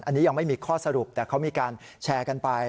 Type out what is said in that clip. อันนี้ยังไม่มีข้อสรุปแต่เขามีการแชร์กันไป